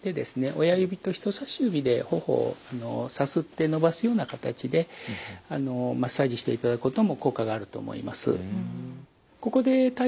親指と人差し指で頬をさすって伸ばすような形でマッサージしていただくことも効果があると思います。